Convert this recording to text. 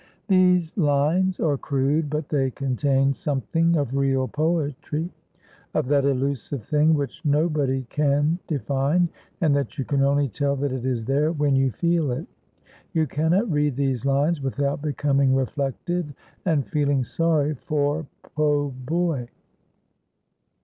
These lines are crude, but they contain something of real poetry, of that elusive thing which nobody can define and that you can only tell that it is there when you feel it. You cannot read these lines without becoming reflective and feeling sorry for "Po' Boy."